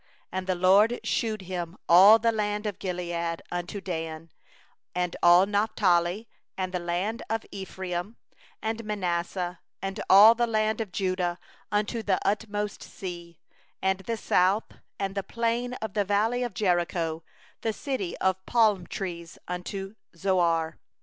And the LORD showed him all the land, even Gilead as far as Dan; 2and all Naphtali, and the land of Ephraim and Manasseh, and all the land of Judah as far as the hinder sea; 3and the South, and the Plain, even the valley of Jericho the city of palm trees, as far as Zoar.